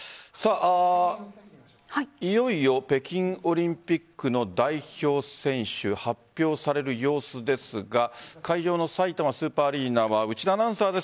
いよいよ北京オリンピックの代表選手発表される様子ですが会場のさいたまスーパーアリーナは内田アナウンサーです。